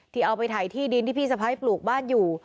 เอาไปถ่ายที่ดินที่พี่สะพ้ายปลูกบ้านอยู่